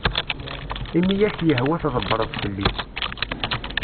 Imi i ak-yehwa tḍbbreḍ fell-i.